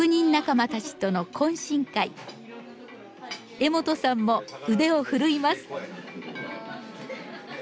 江本さんも腕を振るいます。